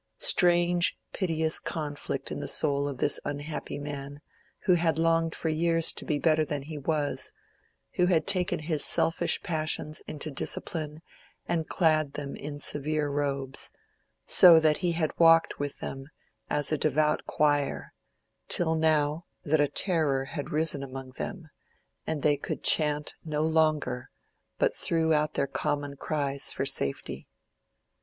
Strange, piteous conflict in the soul of this unhappy man, who had longed for years to be better than he was—who had taken his selfish passions into discipline and clad them in severe robes, so that he had walked with them as a devout choir, till now that a terror had risen among them, and they could chant no longer, but threw out their common cries for safety.